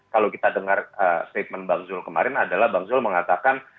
kalau kita dengar statement bang zul kemarin adalah bang zul mengatakan